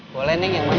boleh neng yang mana